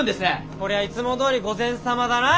こりゃいつもどおり午前様だな！